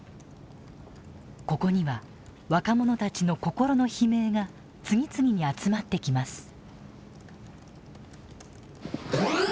ここには若者たちの心の悲鳴が次々に集まってきます。